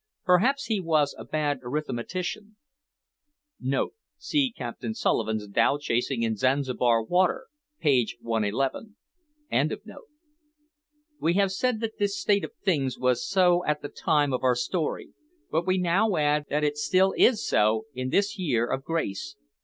Perhaps he was a bad arithmetician. [See Captain Sulivan's Dhow chasing in Zanzibar Water; page 111.] We have said that this state of things was so at the time of our story, but we may now add that it still is so in this year of grace 1873.